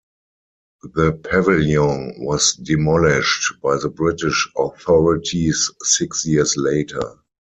The pavilion was demolished by the British authorities six years later.